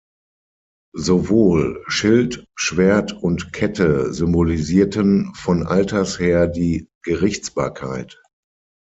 Sowohl Schild, Schwert und Kette symbolisierten von alters her die Gerichtsbarkeit.